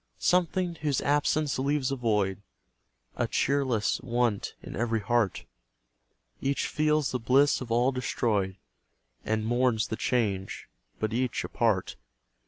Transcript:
Something whose absence leaves a void A cheerless want in every heart; Each feels the bliss of all destroyed, And mourns the change but each apart.